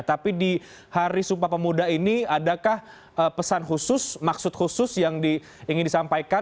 tapi di hari sumpah pemuda ini adakah pesan khusus maksud khusus yang ingin disampaikan